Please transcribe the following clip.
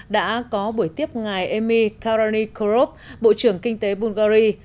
đã có buổi tiếp ngài emi karani korup bộ trưởng kinh tế bulgari